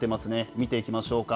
見ていきましょうか。